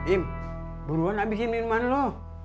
im buruan abisin minuman lu